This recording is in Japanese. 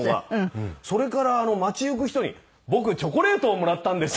それから街行く人に「僕チョコレートをもらったんです」